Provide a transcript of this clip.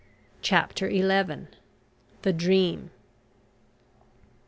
CHAPTER ELEVEN. THE DREAM.